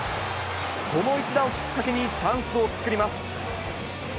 この一打をきっかけにチャンスを作ります。